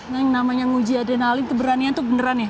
nah yang namanya menguji ade n'alim keberanian tuh beneran yah